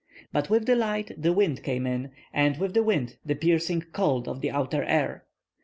But with the light the wind came in, and with the wind the piercing cold of the outer air.